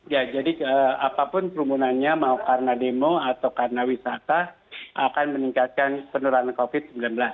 ya jadi apapun kerumunannya mau karena demo atau karena wisata akan meningkatkan penularan covid sembilan belas